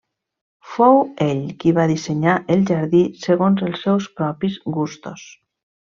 Fou ell qui va dissenyar el jardí segons els seus propis gustos.